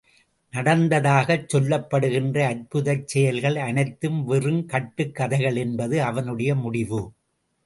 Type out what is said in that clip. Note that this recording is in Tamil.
நடந்ததாகச் சொல்லப்படுகின்ற அற்புதச் செயல்கள் அனைத்தும் வெறும் கட்டுக் கதைகள் என்பது அவனுடைய முடிவு.